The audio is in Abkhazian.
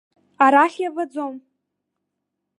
Арахь иабаӡом.